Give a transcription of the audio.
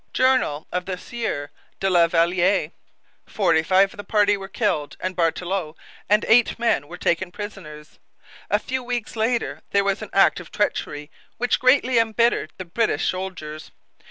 Journal of the Sieur de la Valliere.] Forty five of the party were killed, and Bartelot and eight men were taken prisoners. A few weeks later there was an act of treachery which greatly embittered the British soldiers.